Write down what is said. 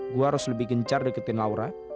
gue harus lebih gencar deketin laura